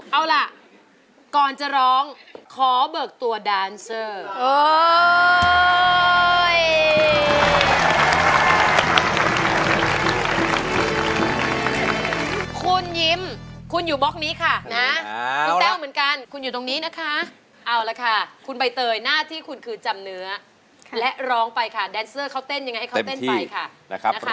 เอาล่ะก่อนจะร้องขอเบิกตัวดานเซอร์